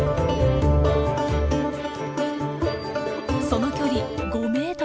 その距離５ｍ！